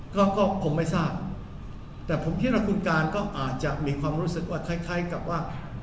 ก็ก็คงไม่ทราบแต่ผมคิดว่าคุณการก็อาจจะมีความรู้สึกว่าคล้ายคล้ายกับว่า